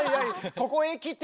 ここへきて？